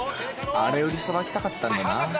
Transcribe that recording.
あれ売りさばきたかったんだな。